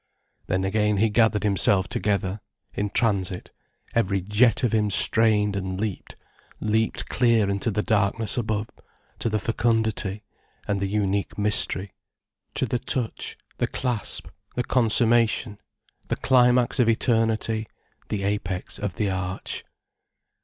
Then again he gathered himself together, in transit, every jet of him strained and leaped, leaped clear into the darkness above, to the fecundity and the unique mystery, to the touch, the clasp, the consummation, the climax of eternity, the apex of the arch.